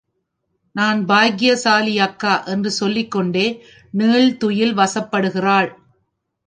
நான் பாக்கியசாலி அக்கா! என்று சொல்லிக்கொண்டே நீள்துயில் வசப்படுகிறாள்.